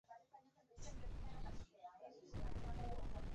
En ese momento entablaron una profunda amistad.